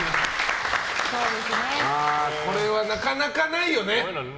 これは、なかなかないよね。